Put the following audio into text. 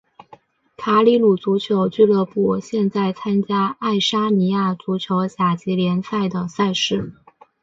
卡里鲁足球俱乐部现在参加爱沙尼亚足球甲级联赛的赛事。